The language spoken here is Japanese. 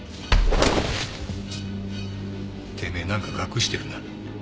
てめえなんか隠してるな？